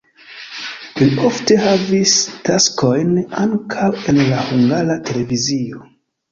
Li ofte havis taskojn ankaŭ en la Hungara Televizio.